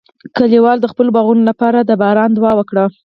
کلیوال د خپلو باغونو لپاره د باران دعا وکړه.